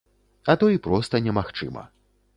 А то і проста немагчыма.